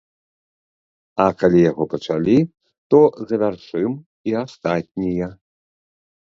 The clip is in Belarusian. А калі яго пачалі, то завяршым і астатнія.